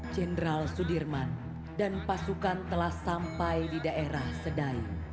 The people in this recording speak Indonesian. jenderal sudirman dan pasukan telah sampai di daerah sedai